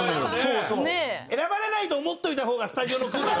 選ばれないと思っておいた方がスタジオの空気もね。